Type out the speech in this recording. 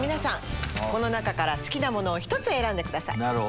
この中から好きなものを１つ選んでください。